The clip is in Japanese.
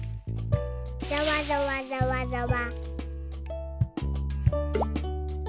ざわざわざわざわ。